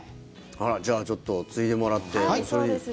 じゃあちょっとついでもらって。